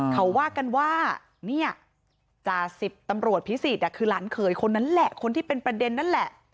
เขาว่ากันว่าเนี่ยจ่าสิบตำรวจพิสิทธิ์คือหลานเขยคนนั้นแหละคนที่เป็นประเด็นนั่นแหละ